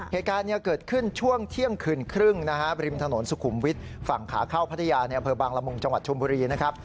เหตุการณ์เกิดขึ้นช่วงเที่ยงคืนครึ่งนะฮะริมถนนสุขุมวิทย์ฝั่งขาเข้าพัทยาในอำเภอบางละมุงจังหวัดชมบุรีนะครับ